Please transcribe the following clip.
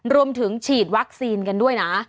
รวมถึงฉีดวัคซีนกันด้วยนะ